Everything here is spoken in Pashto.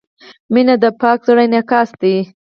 • مینه د پاک زړۀ انعکاس دی.